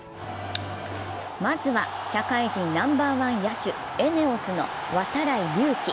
まずは社会人ナンバーワン野手、ＥＮＥＯＳの度会隆輝。